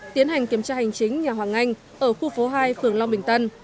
tiến hành kiểm tra hành chính nhà hoàng anh ở khu phố hai phường long bình tân